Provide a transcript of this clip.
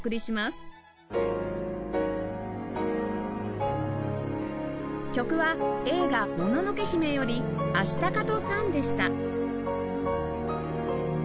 『アシタカとサン』曲は映画『もののけ姫』より『アシタカとサン』でした